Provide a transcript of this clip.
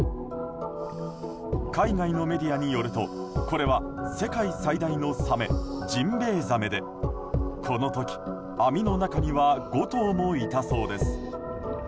海外のメディアによるとこれは世界最大のサメジンベイザメでこの時、網の中には５頭もいたそうです。